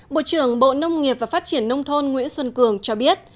bộ trưởng bộ nông nghiệp và phát triển nông thôn nguyễn xuân cường cho biết